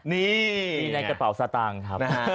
นี่ในกระเป๋าสตางค์ครับ